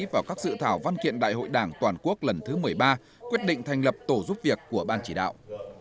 vào các dự thảo văn kiện đại hội đảng toàn quốc lần thứ một mươi ba quyết định thành lập tổ giúp việc của ban chỉ đạo